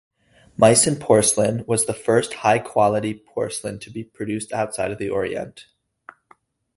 Meissen porcelain was the first high-quality porcelain to be produced outside of the Orient.